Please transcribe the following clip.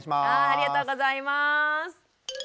ありがとうございます。